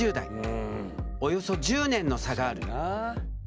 およそ１０年の差がある。